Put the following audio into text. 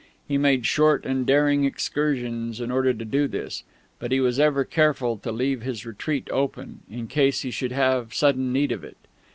He made short and daring excursions in order to do this; but he was ever careful to leave his retreat open, in case he should have sudden need of it.